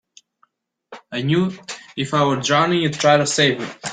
I knew if I were drowning you'd try to save me.